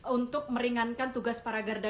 untuk meringankan tugas para garda